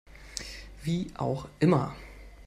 Wie auch immer.